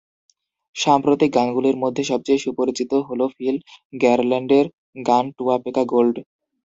সাম্প্রতিক গানগুলির মধ্যে সবচেয়ে সুপরিচিত হল ফিল গারল্যান্ডের গান "টুয়াপেকা গোল্ড"।